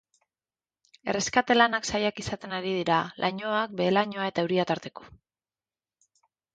Erreskate lanak zailak izaten ari dira, lainoak, behe-lainoa eta euria tarteko.